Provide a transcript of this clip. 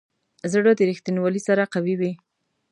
زړه د ریښتینولي سره قوي وي.